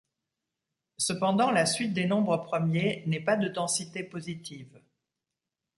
Cependant la suite des nombres premiers n'est pas de densité positive.